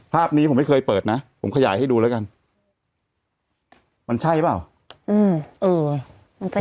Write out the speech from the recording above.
ภาพนี้ผมไม่เคยเปิดนะผมขยายให้ดูแล้วกันมันใช่เปล่า